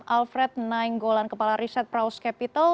alfred nainggolan kepala riset praus capital